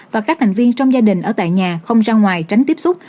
và các thành viên trong gia đình ở tại nhà không ra ngoài tránh tiếp xúc